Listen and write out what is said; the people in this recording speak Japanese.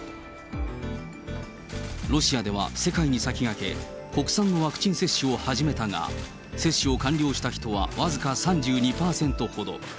ロシアでは世界に先駆け、国産のワクチン接種を始めたが、接種を完了した人は僅か３２％ほど。